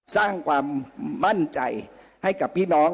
สร้างความมั่นใจให้กับพี่น้อง